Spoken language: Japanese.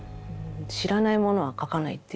知らないものは描かないっていう。